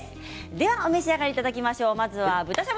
ではお召し上がりいただきましょう。